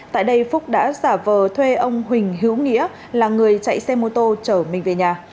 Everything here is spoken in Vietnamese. tại đây phúc đã giả vờ thuê ông huỳnh hữu nghĩa là người chạy xe mô tô chở mình về nhà